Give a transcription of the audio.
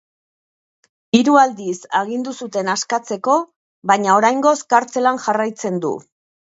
Hiru aldiz agindu zuten askatzeko, baina oraingoz kartzelan jarraitzen du.